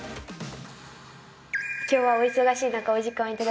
今日はお忙しい中お時間をいただき。